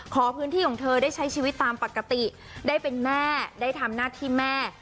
ขอพื้นที่ของเธอได้ใช้ชีวิตตามปกติได้เป็นแม่ได้ทำหน้าที่แม่